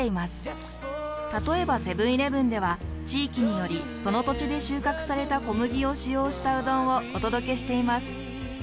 例えばセブンーイレブンでは地域によりその土地で収穫された小麦を使用したうどんをお届けしています。